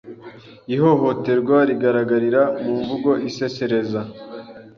Ihohoterwa rigaragarira mu mvugo isesereza